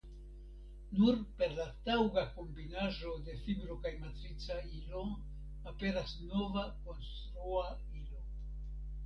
Nur per la taŭga kombinaĵo de fibro kaj matrica ilo aperas nova konstrua ilo.